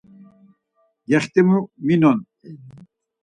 Gextimu minon.